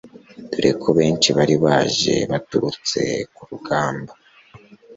dore ko benshi bari baje baturutse ku rugamba